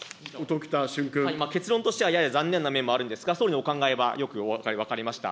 結論としてはやや残念な面もあるんですが、総理のお考えはよく分かりました。